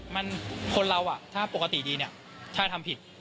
มันคนเราถ้าปกติดีถ้าทำผิด